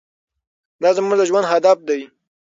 دا زموږ د ژوند هدف دی.